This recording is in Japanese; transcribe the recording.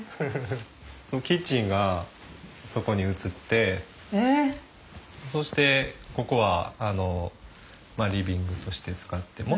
キッチンがそこに移ってそしてここはリビングとして使って。